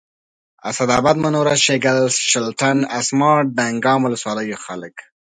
اسداباد منوره شیګل شلتن اسمار دانګام ولسوالیو خلک